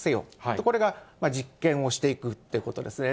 これが実験をしていくっていうことですよね。